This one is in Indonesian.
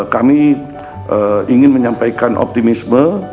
kami ingin menyampaikan optimisme